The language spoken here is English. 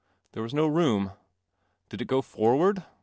There was no room. Did it go forward?